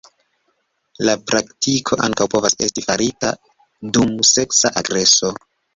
La praktiko ankaŭ povas esti farita dum seksa agreso.